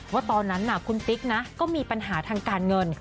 ว่าตอนนั้นคุณติ๊กนะก็มีปัญหาทางการเงิน